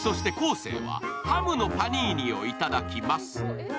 生はハムのパニーニをいただきます。